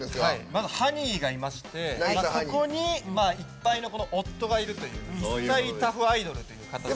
まず、ハニーがいましてそこにいっぱいの夫がいるという一妻多夫アイドルという形で。